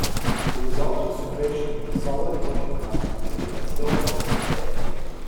The result was the creation of the solid working-class community that still exists today.